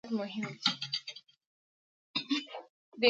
د انجونو زده کړي زياتي مهمي دي.